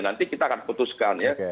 nanti kita akan putuskan ya